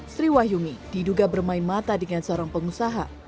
sri wahyumi diduga bermain mata dengan seorang pengusaha